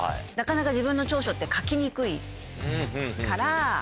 なかなか自分の長所って書きにくいから。